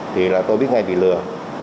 thì là tôi biết ngay bị lừa